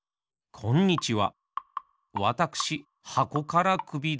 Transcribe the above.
こんにちは。